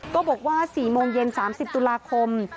ก็บอกว่า๔โมงเย็น๓๐ตุลาคม